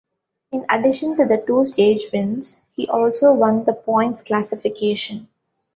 In addition to the two stage wins, he also won the points classification.